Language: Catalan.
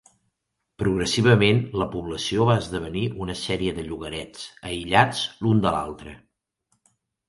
Progressivament la població va esdevenir una sèrie de llogarets aïllats un de l'altra.